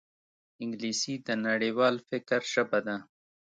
انګلیسي د نړیوال فکر ژبه ده